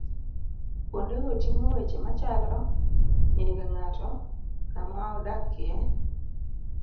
Kuondego ting'o weche machalo nyinge ng'ato, kama odakie.